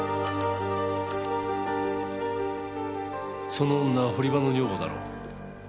その女は堀場の女房だろう？